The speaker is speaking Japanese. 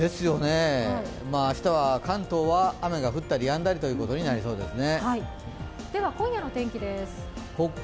明日は関東は雨が降ったりやんだりということになりそうですね。